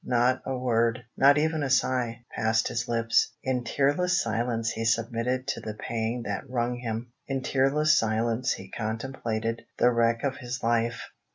Not a word not even a sigh passed his lips. In tearless silence he submitted to the pang that wrung him. In tearless silence he contemplated the wreck of his life.